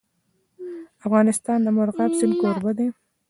افغانستان د مورغاب سیند کوربه دی.